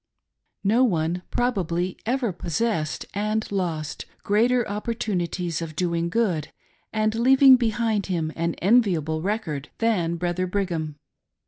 273 No one, probably, ever possessed and lost greater oppor tunities of doing good and leaving behind him an enviable record than Brother Brigham.